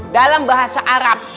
dalam bahasa arab